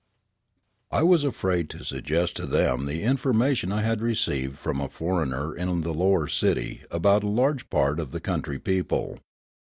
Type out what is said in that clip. I was afraid to suggest to them the information I had received from a foreigner in the lower city about a large part of the country people.